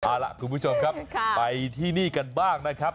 เอาล่ะคุณผู้ชมครับไปที่นี่กันบ้างนะครับ